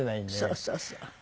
そうそうそう。